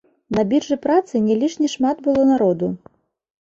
На біржы працы не лішне шмат было народу.